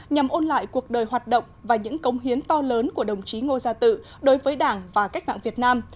nhằm ôn lại cuộc đời hoạt động và những cống hiến to lớn của đồng chí ngô gia tự đối với đảng và cách mạng việt nam